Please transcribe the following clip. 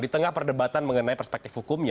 di tengah perdebatan mengenai perspektif hukumnya